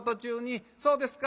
そうですか。